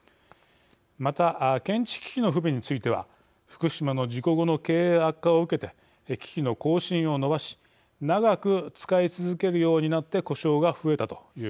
また検知機器の不備については福島の事故後の経営悪化を受けて機器の更新をのばし長く使い続けるようになって故障が増えたということです。